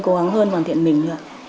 cố gắng hơn hoàn thiện mình